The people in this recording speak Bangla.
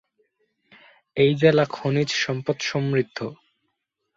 এই জেলা খনিজ সম্পদ সমৃদ্ধ।